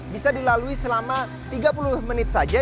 bisa dilalui selama tiga puluh menit saja